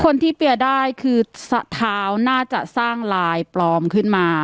คนที่เปรียได้คือท้าวน่าจะสร้างลายปลอมขึ้นมา